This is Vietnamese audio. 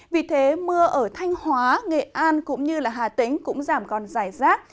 vì thế mưa ở thanh hóa nghệ an cũng như hà tĩnh cũng giảm còn dài rác